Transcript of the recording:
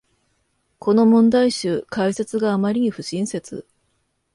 この問題集、解説があまりに不親切